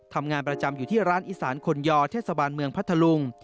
ทำงานประจำอยู่ที่ร้านอีสานคนยอเทศบาลเมืองพัทธลุง